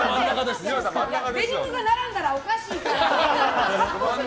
デニムが並んだらおかしいから。